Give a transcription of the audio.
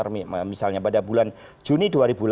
misalnya pada bulan juni dua ribu delapan belas